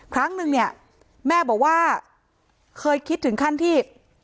ครั้งนึงเนี่ยแม่บอกว่าเคยคิดถึงขั้นที่